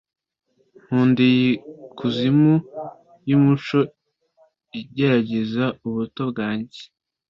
nkunda iyi kuzimu yumuco igerageza ubuto bwanjye